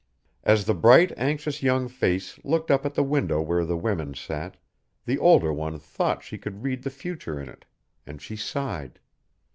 As the bright, anxious young face looked up at the window where the women sat, the older one thought she could read the future in it, and she sighed.